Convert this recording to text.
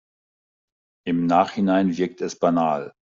Im Nachhinein wirkt es banal.